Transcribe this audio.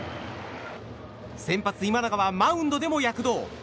先発、今永はマウンドでも躍動。